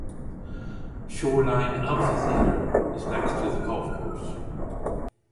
Shoreline Amphitheatre is next to the golf course.